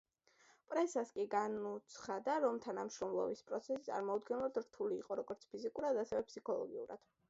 პრესას კი განუცხადა, რომ თანამშრომლობის პროცესი წარმოუდგენლად რთული იყო როგორც ფიზიკურად ასევე ფსიქოლოგიურად.